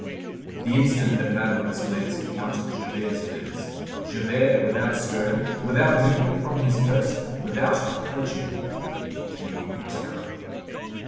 The instant that Madeleine's glance encountered Javert's glance, Javert, without stirring, without moving from his post, without approaching him, became terrible.